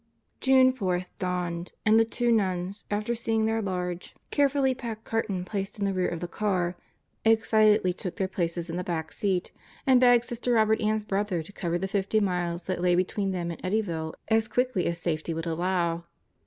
June 4 dawned and the two nuns, after seeing their large, care 66 God Goes to Murderers Row fully packed carton placed in the rear of the car, excitedly took their places in the back seat, and begged Sister Robert Ann's brother to cover the fifty miles that lay between them and Eddy ville as quickly as safety would allow.